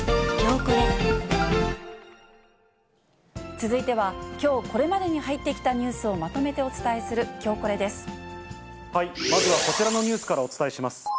続いては、きょうこれまでに入ってきたニュースをまとめてお伝えするきょうまずはこちらのニュースからお伝えします。